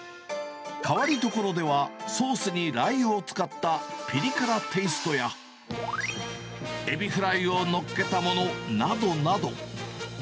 変わりどころでは、ソースにラー油を使ったピリ辛テーストや、エビフライをのっけたものなどなど。